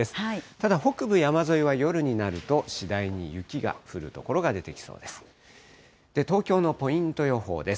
ただ、北部山沿いは夜になると次第に雪が降る所が出てきそうです。